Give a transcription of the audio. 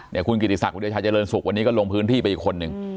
เนี่ยคุณกิติศักดิ์วิทยาชาเจริญศุกร์วันนี้ก็ลงพื้นที่ไปอีกคนนึง